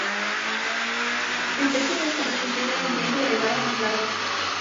El precio de esta precisión era un tiempo de recarga más largo.